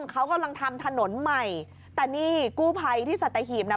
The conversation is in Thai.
เขากำลังทำถนนใหม่แต่นี่กู้ภัยที่สัตหีบน่ะ